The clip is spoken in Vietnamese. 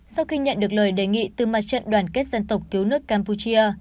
sau khi nhận được lời đề nghị từ mặt trận đoàn kết dân tộc cứu nước campuchia